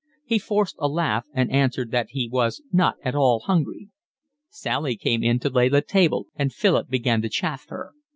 He forced a laugh and answered that he was not at all hungry. Sally came in to lay the table, and Philip began to chaff her.